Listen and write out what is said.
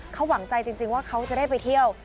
เขาหวังใจจริงว่าเขาจะได้ไปเที่ยว